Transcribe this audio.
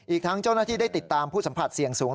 อีกทั้งเจ้าหน้าที่ได้ติดตามผู้สัมผัสเสี่ยงสูง